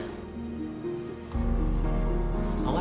saya sudah minta dia tahan